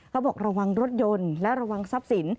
เขาบอกระวังรถยนต์และระวังทรัพย์สิน